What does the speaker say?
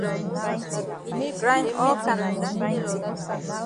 E di grind all kana tin.